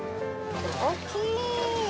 大きい！